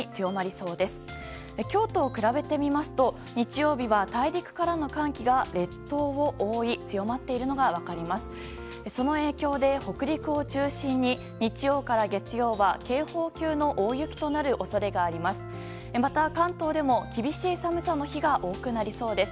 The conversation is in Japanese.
その影響で北陸を中心に日曜から月曜は警報級の大雪となる恐れがあります。